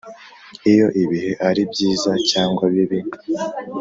iyo ibihe ari byiza cyangwa bibi.